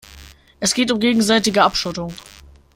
Es geht um gegenseitige Abschottung.